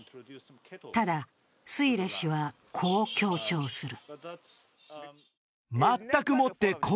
ただ、スイレ氏はこう強調する。